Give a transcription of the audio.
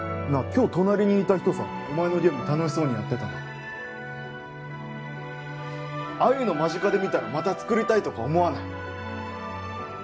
今日隣にいた人さお前のゲーム楽しそうにやってたなああいうの間近で見たらまた作りたいとか思わない？